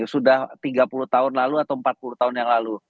sudah tiga puluh tahun lalu atau empat puluh tahun yang lalu